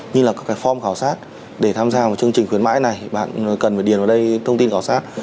như là các cái form khảo sát để tham gia vào chương trình khuyến mãi này bạn cần phải điền vào đây thông tin khảo sát